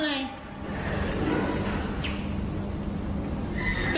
ไม่มีอะไร